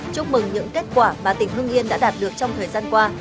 chúc mừng những kết quả mà tỉnh hưng yên đã đạt được trong thời gian qua